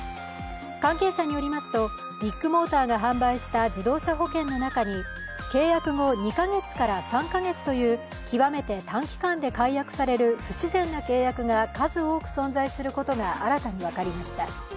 関係者によりますとビッグモーターが販売した自動車保険の中に契約後２か月から３か月という極めて短期間で解約される不自然な契約が数多く存在することが新たに分かりました。